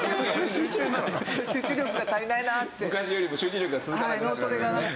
昔よりも集中力が続かなくなった？